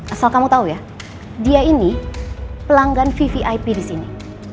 asal kamu tahu ya dia ini pelanggan vvip di sini